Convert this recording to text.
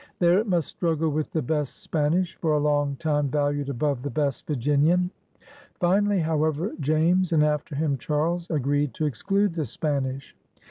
There it must struggle with the best Span ish, for a long time valued above the best Virginian. Finally, however, James and alter him Charles, agreed to exclude the Spanish.